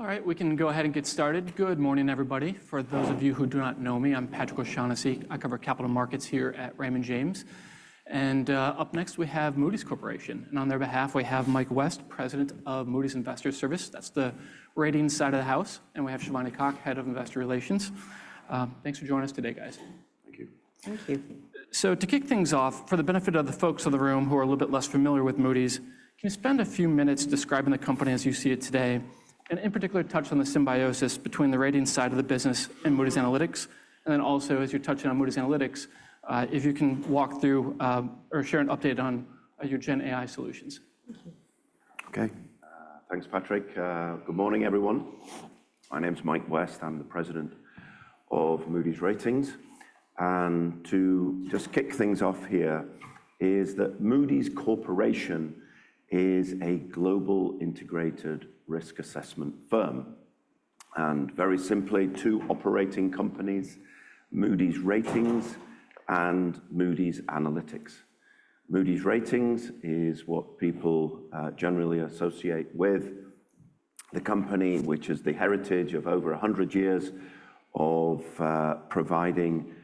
All right, we can go ahead and get started. Good morning, everybody. For those of you who do not know me, I'm Patrick O'Shaughnessy. I cover capital markets here at Raymond James. And up next, we have Moody's Corporation. And on their behalf, we have Michael West, President of Moody's Investors Service. That's the ratings side of the house. And we have Shivani Kak, Head of Investor Relations. Thanks for joining us today, guys. Thank you. Thank you. So to kick things off, for the benefit of the folks in the room who are a little bit less familiar with Moody's, can you spend a few minutes describing the company as you see it today? And in particular, touch on the symbiosis between the Ratings side of the business and Moody's Analytics. And then also, as you're touching on Moody's Analytics, if you can walk through or share an update on your Gen AI solutions? Thank you. Thanks, Patrick. Good morning, everyone. My name's Michael West. I'm the President of Moody's Ratings, and to just kick things off here is that Moody's Corporation is a global integrated risk assessment firm, and very simply, two operating companies: Moody's Ratings and Moody's Analytics. Moody's Ratings is what people generally associate with the company, which has the heritage of over 100 years of providing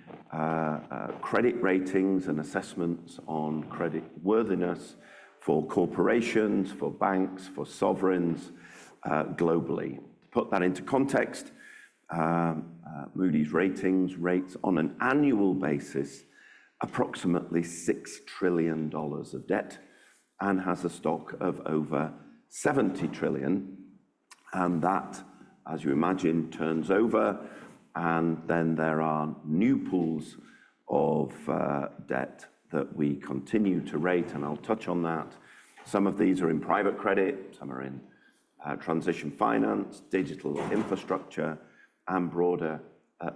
credit ratings and assessments on creditworthiness for corporations, for banks, for sovereigns globally. To put that into context, Moody's Ratings rates on an annual basis approximately $6 trillion of debt and has a stock of over $70 trillion, and that, as you imagine, turns over, and then there are new pools of debt that we continue to rate, and I'll touch on that. Some of these are in private credit. Some are in transition finance, digital infrastructure, and broader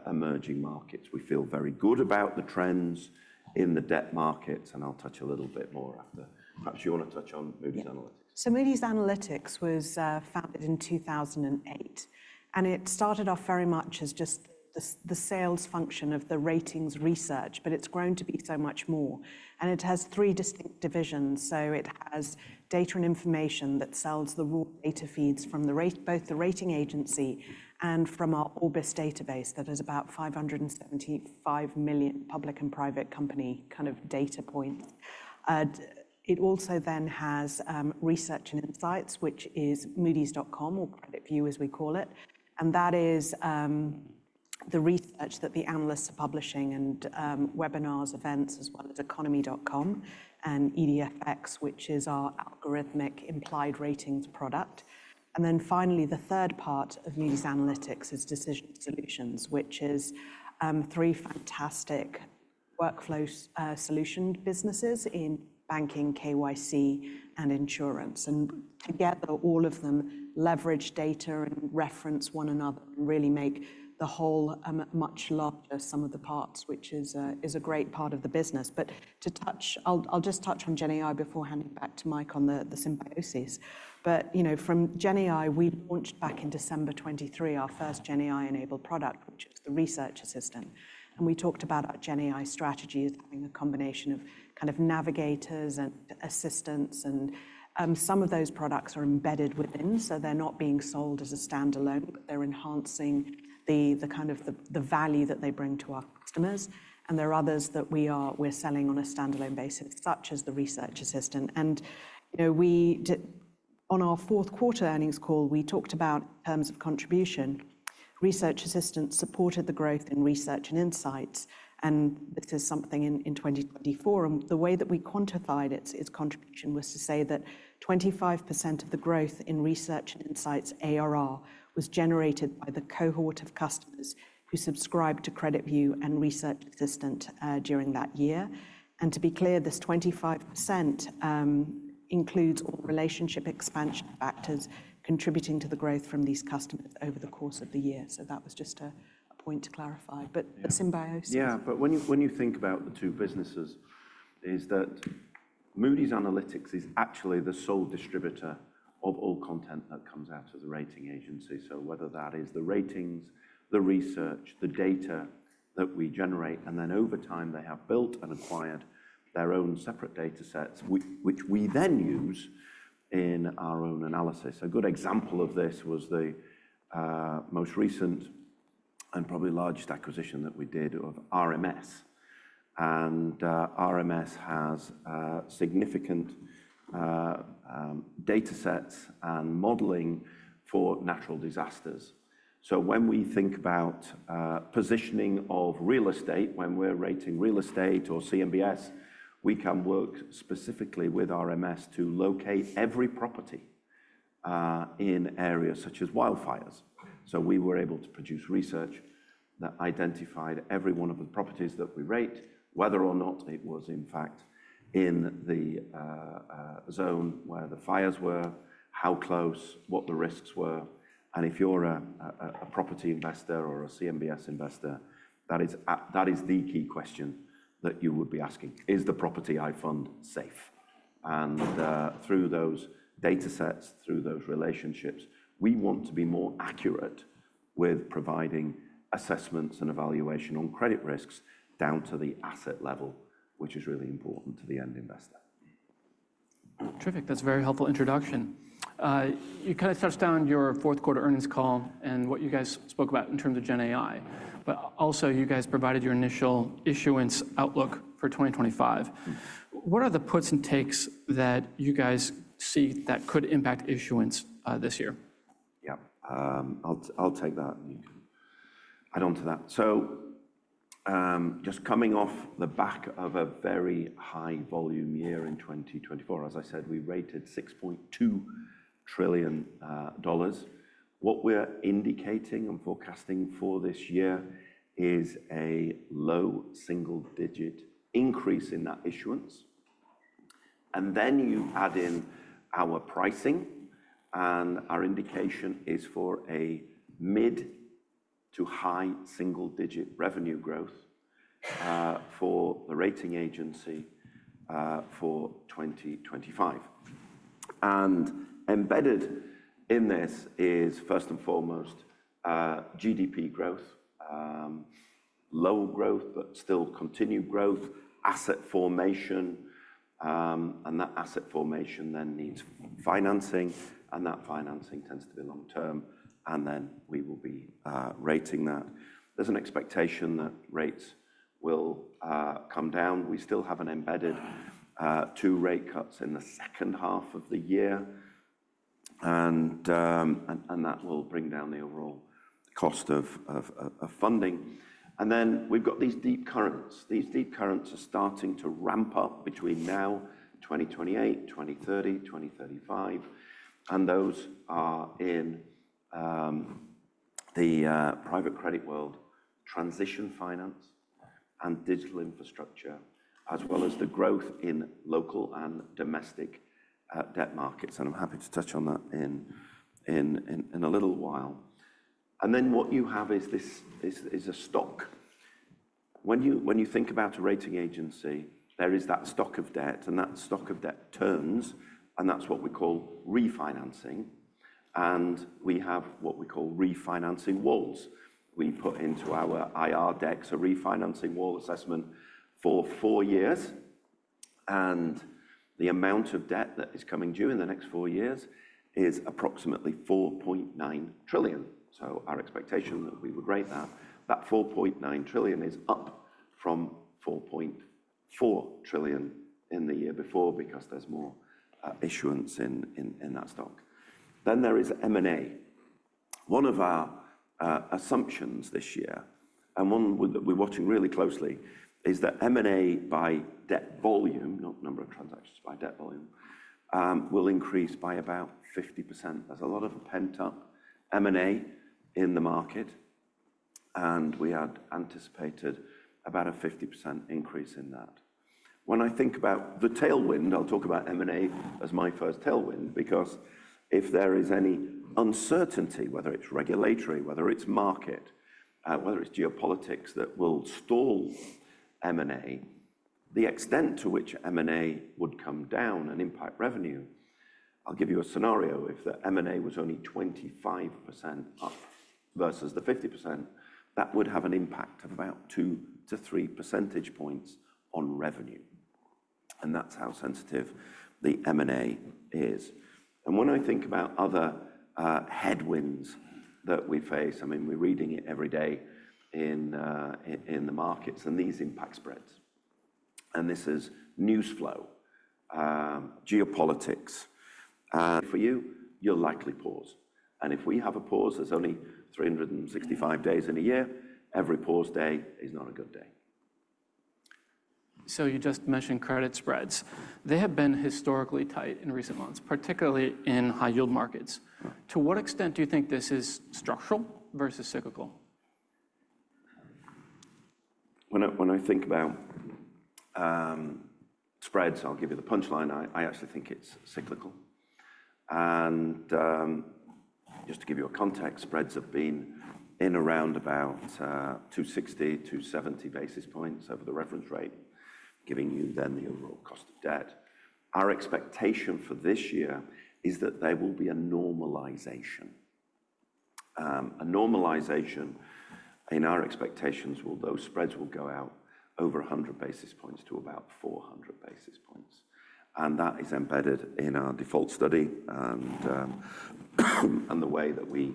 emerging markets. We feel very good about the trends in the debt markets. And I'll touch a little bit more after. Perhaps you want to touch on Moody's Analytics. Moody's Analytics was founded in 2008. It started off very much as just the sales function of the ratings research. It's grown to be so much more. It has three distinct divisions. It has Data and Information that sells the raw data feeds from both the rating agency and from our Orbis database that is about 575 million public and private company kind of data points. It also then has Research and Insights, which is Moody's.com, or CreditView, as we call it. That is the research that the analysts are publishing and webinars, events, as well as Economy.com and EDF-X, which is our algorithmic implied ratings product. Then finally, the third part of Moody's Analytics is Decision Solutions, which is three fantastic workflow solution businesses in banking, KYC, and insurance. Together, all of them leverage data and reference one another and really make the whole much larger sum of the parts, which is a great part of the business. To touch, I'll just touch on Gen AI before handing back to Michael on the symbiosis. From Gen AI, we launched back in December 2023 our first Gen AI-enabled product, which is the Research Assistant. We talked about our Gen AI strategy as having a combination of kind of navigators and assistants. Some of those products are embedded within. They're not being sold as a standalone, but they're enhancing the kind of value that they bring to our customers. There are others that we're selling on a standalone basis, such as the Research Assistant. On our fourth quarter earnings call, we talked about in terms of contribution. Research Assistant supported the growth in Research and Insights, and this is something in 2024, and the way that we quantified its contribution was to say that 25% of the growth in Research and Insights ARR was generated by the cohort of customers who subscribed to CreditView and Research Assistant during that year, and to be clear, this 25% includes all relationship expansion factors contributing to the growth from these customers over the course of the year, so that was just a point to clarify. But symbiosis. Yeah, but when you think about the two businesses, is that Moody's Analytics is actually the sole distributor of all content that comes out of the rating agency. So whether that is the ratings, the research, the data that we generate, and then over time they have built and acquired their own separate data sets, which we then use in our own analysis. A good example of this was the most recent and probably largest acquisition that we did of RMS. And RMS has significant data sets and modeling for natural disasters. So when we think about positioning of real estate, when we're rating real estate or CMBS, we can work specifically with RMS to locate every property in areas such as wildfires. So we were able to produce research that identified every one of the properties that we rate, whether or not it was in fact in the zone where the fires were, how close, what the risks were. And if you're a property investor or a CMBS investor, that is the key question that you would be asking. Is the property I fund safe? And through those data sets, through those relationships, we want to be more accurate with providing assessments and evaluation on credit risks down to the asset level, which is really important to the end investor. Terrific. That's a very helpful introduction. You kind of touched on your fourth quarter earnings call and what you guys spoke about in terms of Gen AI. But also, you guys provided your initial issuance outlook for 2025. What are the puts and takes that you guys see that could impact issuance this year? Yeah, I'll take that and add on to that. So just coming off the back of a very high volume year in 2024, as I said, we rated $6.2 trillion. What we're indicating and forecasting for this year is a low single-digit increase in that issuance. And then you add in our pricing. And our indication is for a mid- to high single-digit revenue growth for the rating agency for 2025. And embedded in this is, first and foremost, GDP growth, low growth, but still continued growth, asset formation. And that asset formation then needs financing. And that financing tends to be long term. And then we will be rating that. There's an expectation that rates will come down. We still have an embedded two rate cuts in the second half of the year. And that will bring down the overall cost of funding. And then we've got these deep currents. These deep currents are starting to ramp up between now, 2028, 2030, 2035. And those are in the private credit world, transition finance, and digital infrastructure, as well as the growth in local and domestic debt markets. And I'm happy to touch on that in a little while. And then what you have is a stock. When you think about a rating agency, there is that stock of debt. And that stock of debt turns. And that's what we call refinancing. And we have what we call refinancing walls. We put into our IR decks a refinancing wall assessment for four years. And the amount of debt that is coming due in the next four years is approximately $4.9 trillion. Our expectation that we would rate that $4.9 trillion is up from $4.4 trillion in the year before because there's more issuance in that stock. Then there is M&A. One of our assumptions this year, and one that we're watching really closely, is that M&A by debt volume, not number of transactions by debt volume, will increase by about 50%. There's a lot of pent-up M&A in the market. We had anticipated about a 50% increase in that. When I think about the tailwind, I'll talk about M&A as my first tailwind because if there is any uncertainty, whether it's regulatory, whether it's market, whether it's geopolitics that will stall M&A, the extent to which M&A would come down and impact revenue, I'll give you a scenario. If the M&A was only 25% up versus the 50%, that would have an impact of about two to three percentage points on revenue. And that's how sensitive the M&A is. And when I think about other headwinds that we face, I mean, we're reading it every day in the markets. And these impact spreads. And this is news flow, geopolitics. And for you, you'll likely pause. And if we have a pause, there's only 365 days in a year. Every pause day is not a good day. So you just mentioned credit spreads. They have been historically tight in recent months, particularly in high-yield markets. To what extent do you think this is structural versus cyclical? When I think about spreads, I'll give you the punchline. I actually think it's cyclical and just to give you a context, spreads have been in around about 260-270 basis points over the reference rate, giving you then the overall cost of debt. Our expectation for this year is that there will be a normalization. A normalization in our expectations will those spreads go out over 100 basis points to about 400 basis points. And that is embedded in our default study and the way that we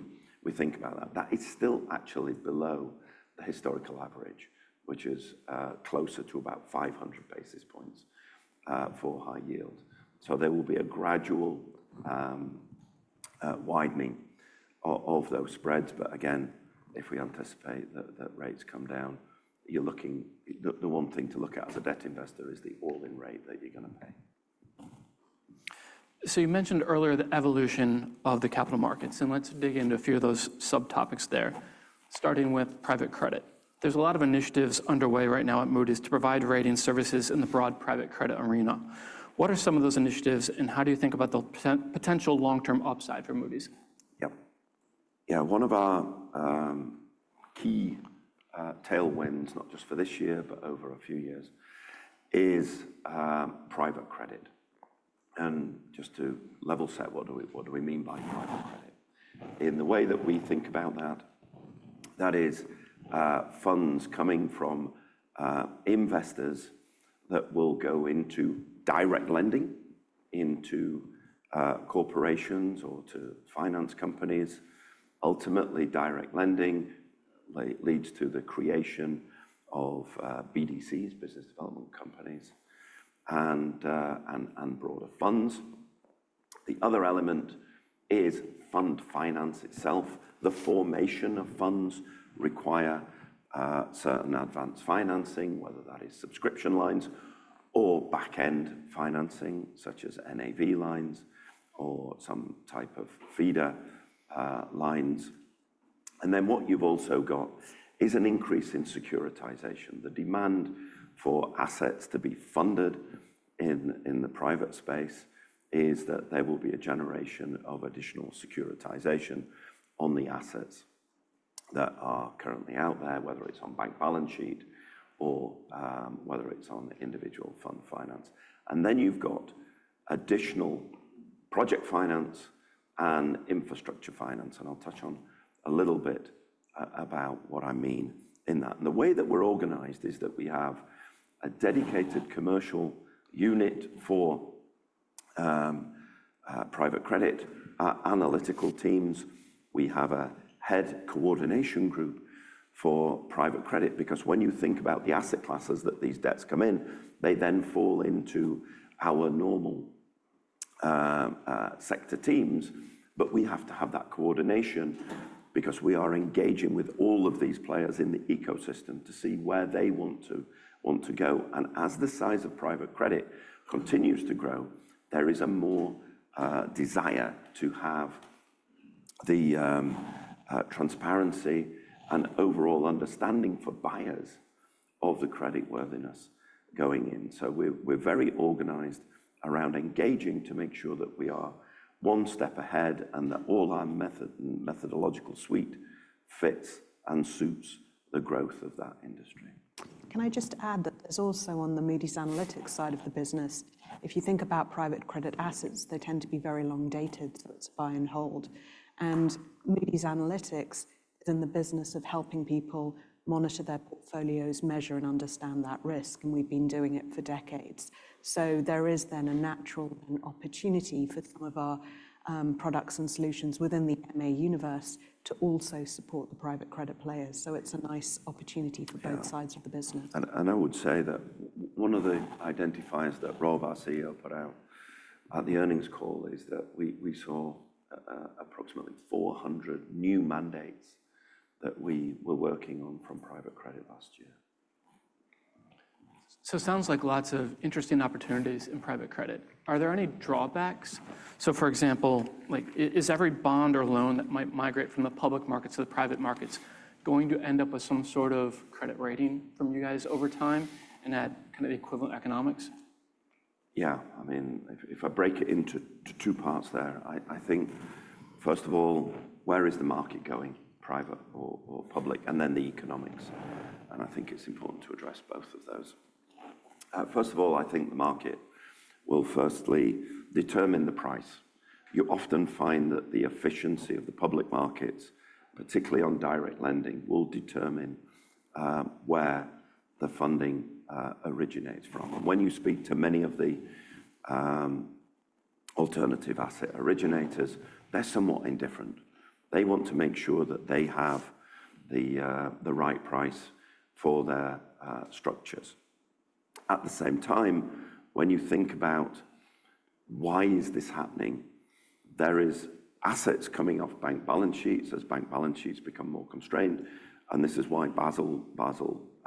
think about that. That is still actually below the historical average, which is closer to about 500 basis points for high-yield so there will be a gradual widening of those spreads. But again, if we anticipate that rates come down, you're looking the one thing to look at as a debt investor is the all-in rate that you're going to pay. So you mentioned earlier the evolution of the capital markets. And let's dig into a few of those subtopics there, starting with private credit. There's a lot of initiatives underway right now at Moody's to provide rating services in the broad private credit arena. What are some of those initiatives? And how do you think about the potential long-term upside for Moody's? Yeah, yeah, one of our key tailwinds, not just for this year, but over a few years, is private credit. And just to level set, what do we mean by private credit? In the way that we think about that, that is funds coming from investors that will go into direct lending into corporations or to finance companies. Ultimately, direct lending leads to the creation of BDCs, business development companies, and broader funds. The other element is fund finance itself. The formation of funds requires certain advanced financing, whether that is subscription lines or back-end financing, such as NAV lines or some type of feeder lines. And then what you've also got is an increase in securitization. The demand for assets to be funded in the private space is that there will be a generation of additional securitization on the assets that are currently out there, whether it's on bank balance sheet or whether it's on individual fund finance, and then you've got additional project finance and infrastructure finance, and I'll touch on a little bit about what I mean in that, and the way that we're organized is that we have a dedicated commercial unit for private credit, analytical teams. We have a head coordination group for private credit because when you think about the asset classes that these debts come in, they then fall into our normal sector teams, but we have to have that coordination because we are engaging with all of these players in the ecosystem to see where they want to go. As the size of private credit continues to grow, there is more desire to have the transparency and overall understanding for buyers of the creditworthiness going in. We're very organized around engaging to make sure that we are one step ahead and that all our methodological suite fits and suits the growth of that industry. Can I just add that there's also on the Moody's Analytics side of the business, if you think about private credit assets, they tend to be very long-dated. So it's buy and hold. And Moody's Analytics is in the business of helping people monitor their portfolios, measure, and understand that risk. And we've been doing it for decades. So there is then a natural opportunity for some of our products and solutions within the M&A universe to also support the private credit players. So it's a nice opportunity for both sides of the business. I would say that one of the indicators that Rob, our CEO, put out at the earnings call is that we saw approximately 400 new mandates that we were working on from private credit last year. So it sounds like lots of interesting opportunities in private credit. Are there any drawbacks? So for example, is every bond or loan that might migrate from the public markets to the private markets going to end up with some sort of credit rating from you guys over time and at kind of the equivalent economics? Yeah, I mean, if I break it into two parts there, I think, first of all, where is the market going, private or public, and then the economics. And I think it's important to address both of those. First of all, I think the market will firstly determine the price. You often find that the efficiency of the public markets, particularly on direct lending, will determine where the funding originates from. And when you speak to many of the alternative asset originators, they're somewhat indifferent. They want to make sure that they have the right price for their structures. At the same time, when you think about why is this happening, there are assets coming off bank balance sheets as bank balance sheets become more constrained. And this is why Basel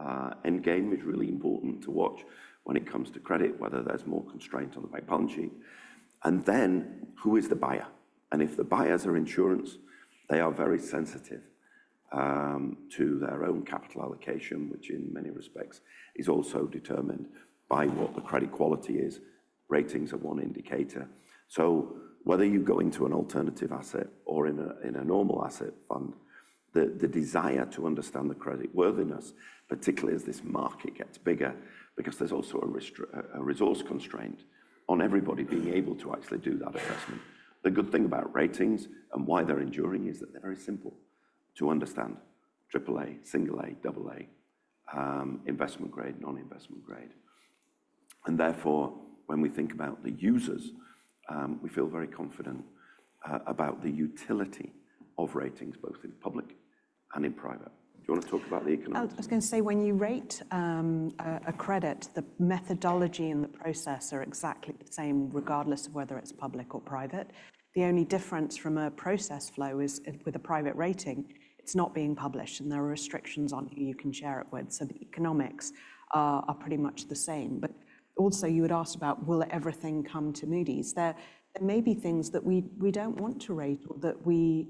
Endgame is really important to watch when it comes to credit, whether there's more constraint on the bank balance sheet. And then who is the buyer? And if the buyers are insurance, they are very sensitive to their own capital allocation, which in many respects is also determined by what the credit quality is. Ratings are one indicator. So whether you go into an alternative asset or in a normal asset fund, the desire to understand the creditworthiness, particularly as this market gets bigger, because there's also a resource constraint on everybody being able to actually do that assessment. The good thing about ratings and why they're enduring is that they're very simple to understand: AAA, single A, double A, investment grade, non-investment grade. Therefore, when we think about the users, we feel very confident about the utility of ratings, both in public and in private. Do you want to talk about the economics? I was going to say when you rate a credit, the methodology and the process are exactly the same, regardless of whether it's public or private. The only difference from a process flow is with a private rating, it's not being published. And there are restrictions on who you can share it with. So the economics are pretty much the same. But also, you had asked about will everything come to Moody's? There may be things that we don't want to rate or that we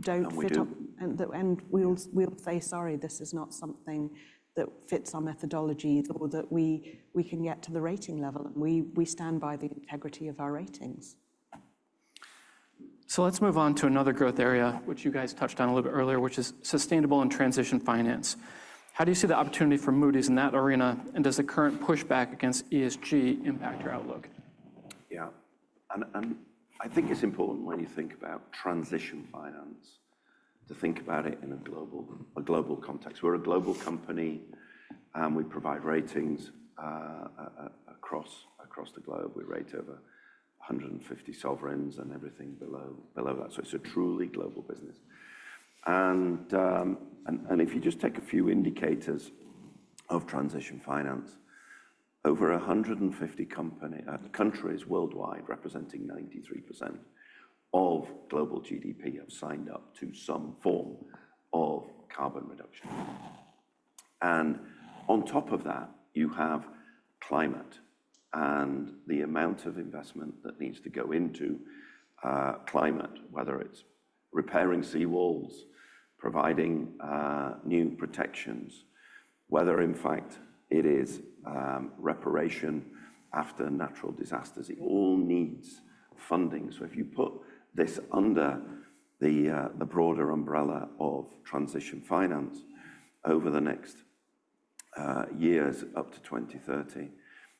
don't fit up. And we'll say, sorry, this is not something that fits our methodology or that we can get to the rating level. And we stand by the integrity of our ratings. So let's move on to another growth area, which you guys touched on a little bit earlier, which is sustainable and transition finance. How do you see the opportunity for Moody's in that arena? And does the current pushback against ESG impact your outlook? Yeah, and I think it's important when you think about transition finance to think about it in a global context. We're a global company. We provide ratings across the globe. We rate over 150 sovereigns and everything below that. So it's a truly global business. And if you just take a few indicators of transition finance, over 150 countries worldwide representing 93% of global GDP have signed up to some form of carbon reduction. And on top of that, you have climate and the amount of investment that needs to go into climate, whether it's repairing seawalls, providing new protections, whether, in fact, it is reparation after natural disasters. It all needs funding. So if you put this under the broader umbrella of transition finance over the next years, up to 2030,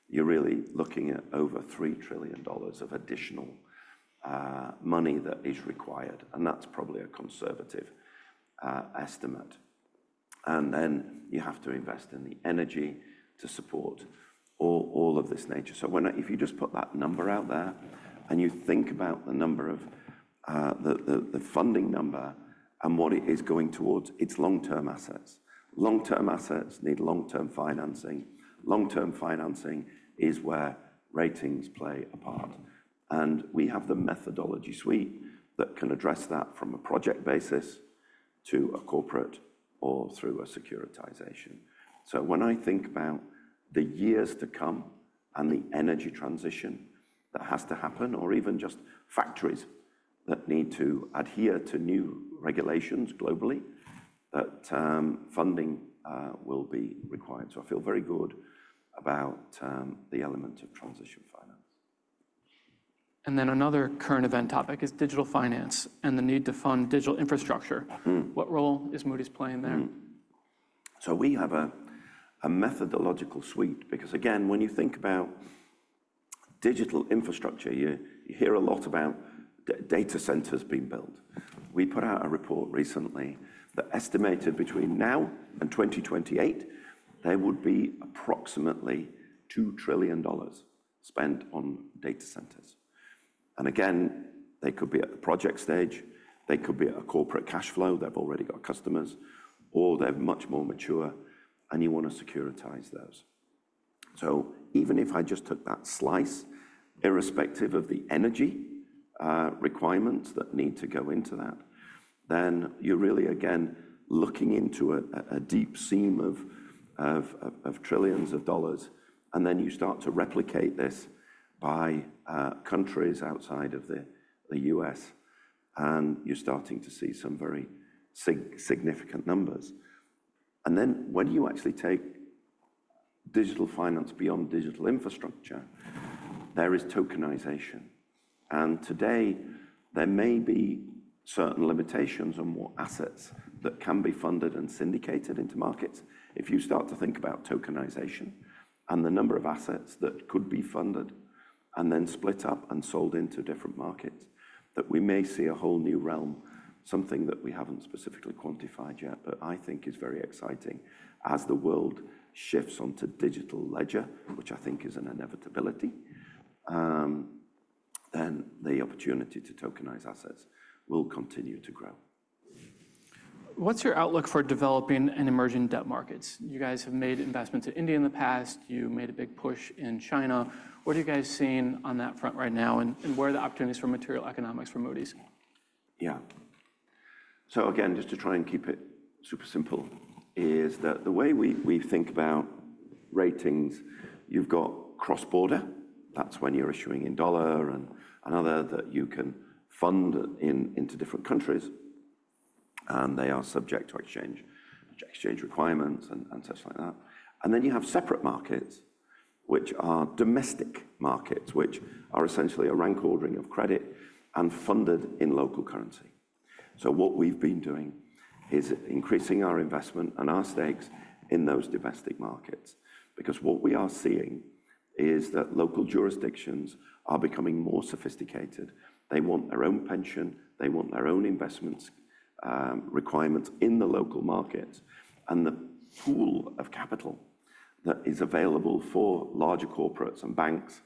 you're really looking at over $3 trillion of additional money that is required. And that's probably a conservative estimate. And then you have to invest in the energy to support all of this nature. So if you just put that number out there and you think about the number of the funding number and what it is going towards, it's long-term assets. Long-term assets need long-term financing. Long-term financing is where ratings play a part. And we have the methodology suite that can address that from a project basis to a corporate or through a securitization. So when I think about the years to come and the energy transition that has to happen, or even just factories that need to adhere to new regulations globally, that funding will be required. So I feel very good about the element of transition finance. Another current event topic is digital finance and the need to fund digital infrastructure. What role is Moody's playing there? So we have a methodological suite because, again, when you think about digital infrastructure, you hear a lot about data centers being built. We put out a report recently that estimated between now and 2028, there would be approximately $2 trillion spent on data centers. And again, they could be at the project stage. They could be at a corporate cash flow. They've already got customers, or they're much more mature, and you want to securitize those. So even if I just took that slice, irrespective of the energy requirements that need to go into that, then you're really, again, looking into a deep seam of trillions of dollars. And then you start to replicate this by countries outside of the U.S., and you're starting to see some very significant numbers. And then when you actually take digital finance beyond digital infrastructure, there is tokenization. Today, there may be certain limitations on what assets that can be funded and syndicated into markets. If you start to think about tokenization and the number of assets that could be funded and then split up and sold into different markets, that we may see a whole new realm, something that we haven't specifically quantified yet, but I think is very exciting. As the world shifts onto digital ledger, which I think is an inevitability, then the opportunity to tokenize assets will continue to grow. What's your outlook for developing and emerging debt markets? You guys have made investments in India in the past. You made a big push in China. What are you guys seeing on that front right now? And where are the opportunities for material economics for Moody's? Yeah, so again, just to try and keep it super simple, is that the way we think about ratings. You've got cross-border. That's when you're issuing in dollar and other that you can fund into different countries. And they are subject to exchange requirements and such like that. And then you have separate markets, which are domestic markets, which are essentially a rank ordering of credit and funded in local currency. So what we've been doing is increasing our investment and our stakes in those domestic markets because what we are seeing is that local jurisdictions are becoming more sophisticated. They want their own pension. They want their own investment requirements in the local markets. And the pool of capital that is available for larger corporates and banks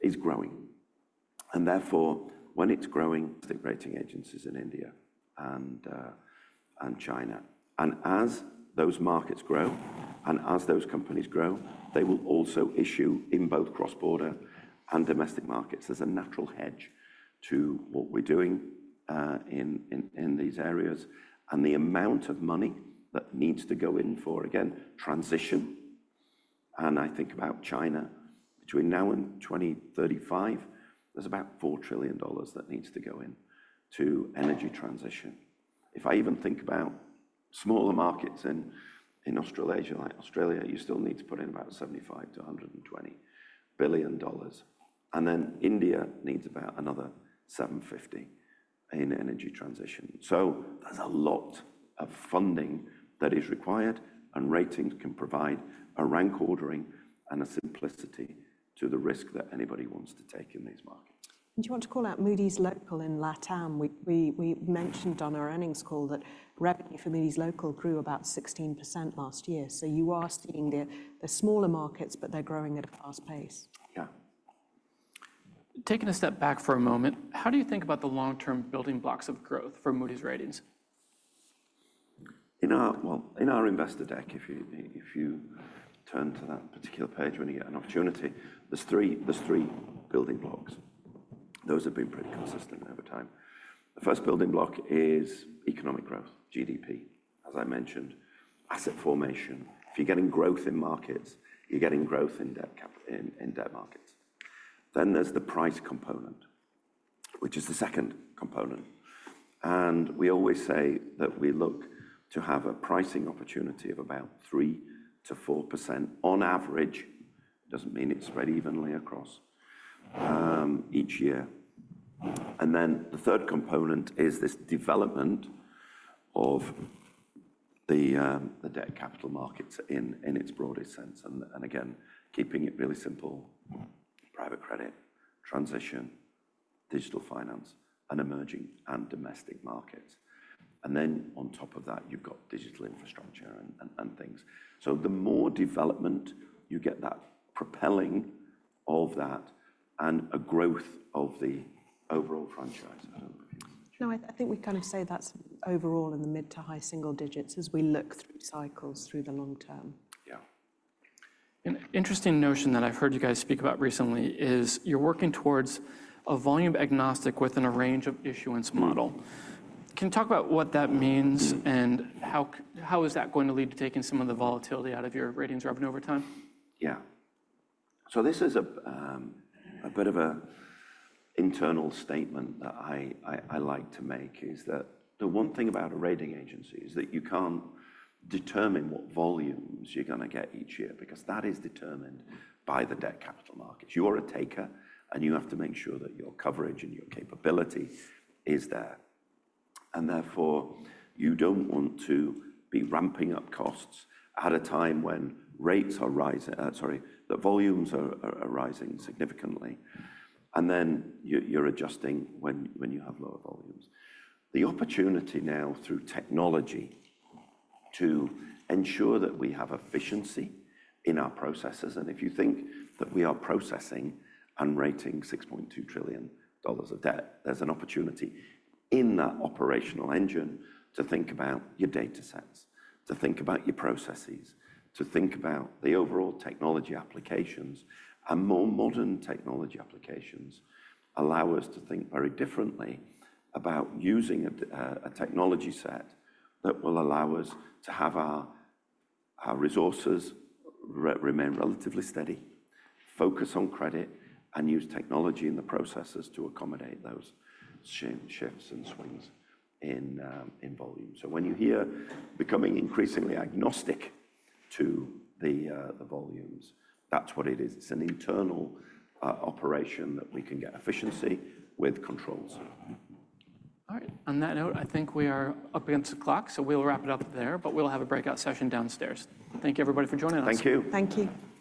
is growing. And therefore, when it's growing, rating agencies in India and China. And as those markets grow and as those companies grow, they will also issue in both cross-border and domestic markets. There's a natural hedge to what we're doing in these areas. And the amount of money that needs to go in for, again, transition. And I think about China. Between now and 2035, there's about $4 trillion that needs to go into energy transition. If I even think about smaller markets in Australasia, like Australia, you still need to put in about $75-$120 billion. And then India needs about another $750 billion in energy transition. So there's a lot of funding that is required. And ratings can provide a rank ordering and a simplicity to the risk that anybody wants to take in these markets. Do you want to call out Moody's Local in LatAm? We mentioned on our earnings call that revenue for Moody's Local grew about 16% last year. You are seeing the smaller markets, but they're growing at a fast pace. Yeah. Taking a step back for a moment, how do you think about the long-term building blocks of growth for Moody's Ratings? In our investor deck, if you turn to that particular page when you get an opportunity, there's three building blocks. Those have been pretty consistent over time. The first building block is economic growth, GDP, as I mentioned, asset formation. If you're getting growth in markets, you're getting growth in debt markets. Then there's the price component, which is the second component. And we always say that we look to have a pricing opportunity of about 3% to 4% on average. It doesn't mean it's spread evenly across each year. And then the third component is this development of the debt capital markets in its broadest sense. And again, keeping it really simple, private credit, transition, digital finance, and emerging and domestic markets. And then on top of that, you've got digital infrastructure and things. So the more development you get, that propelling of that and a growth of the overall franchise. No, I think we kind of say that's overall in the mid to high single digits as we look through cycles through the long term. Yeah. An interesting notion that I've heard you guys speak about recently is you're working towards a volume agnostic within a range of issuance model. Can you talk about what that means and how is that going to lead to taking some of the volatility out of your ratings revenue over time? Yeah. So this is a bit of an internal statement that I like to make is that the one thing about a rating agency is that you can't determine what volumes you're going to get each year because that is determined by the debt capital markets. You are a taker, and you have to make sure that your coverage and your capability is there, and therefore, you don't want to be ramping up costs at a time when rates are rising, sorry, the volumes are rising significantly, and then you're adjusting when you have lower volumes. The opportunity now through technology to ensure that we have efficiency in our processes, and if you think that we are processing and rating $6.2 trillion of debt, there's an opportunity in that operational engine to think about your data sets, to think about your processes, to think about the overall technology applications. More modern technology applications allow us to think very differently about using a technology set that will allow us to have our resources remain relatively steady, focus on credit, and use technology in the processes to accommodate those shifts and swings in volume. When you hear becoming increasingly agnostic to the volumes, that's what it is. It's an internal operation that we can get efficiency with controls. All right. On that note, I think we are up against the clock. So we'll wrap it up there, but we'll have a breakout session downstairs. Thank you, everybody, for joining us. Thank you. Thank you.